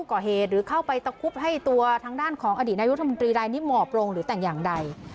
เกี่ยวข้างด้านของอดีตนายกรัฐมนตรีไลนี่เหมาะปรงหรือแต่งอย่างใด